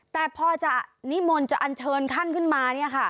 แต่พอจะนิมนต์จะอันเชิญท่านขึ้นมา